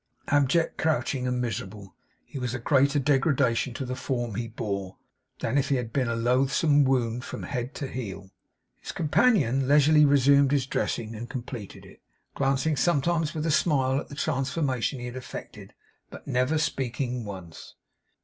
Abject, crouching, and miserable, he was a greater degradation to the form he bore, than if he had been a loathsome wound from head to heel. His companion leisurely resumed his dressing, and completed it, glancing sometimes with a smile at the transformation he had effected, but never speaking once.